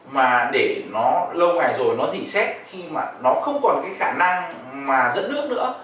mà để nó lâu ngày rồi nó dỉ xét khi mà nó không còn cái khả năng mà dẫn nước nữa